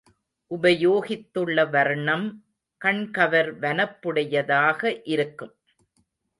உபயோகித்துள்ள வர்ணம் கண்கவர் வனப்புடையதாக இருக்கும்.